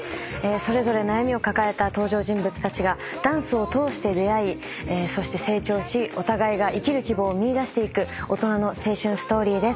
それぞれ悩みを抱えた登場人物たちがダンスを通して出会いそして成長しお互いが生きる希望を見いだしていく大人の青春ストーリーです。